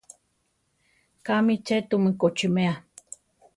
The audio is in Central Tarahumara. Kámi tze tumu kochímea?